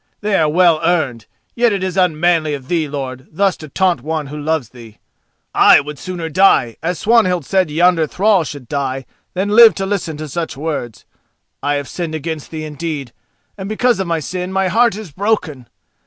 They are well earned, yet it is unmanly of thee, lord, thus to taunt one who loves thee. I would sooner die as Swanhild said yonder thrall should die than live to listen to such words. I have sinned against thee, indeed, and because of my sin my heart is broken.